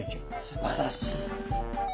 すばらしい。